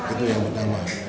itu yang pertama